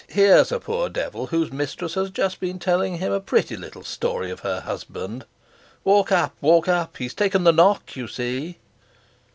Here's a poor devil whose mistress has just been telling him a pretty little story of her husband; walk up, walk up! He's taken the knock, you see."